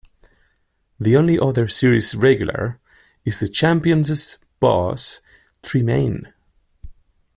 The only other series regular is the Champions' boss, Tremayne.